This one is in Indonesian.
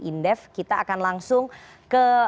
indef kita akan langsung ke